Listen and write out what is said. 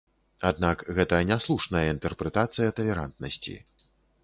Аднак гэта няслушная інтэрпрэтацыя талерантнасці.